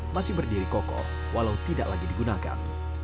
masih berdiri kokoh walau tidak lagi digunakan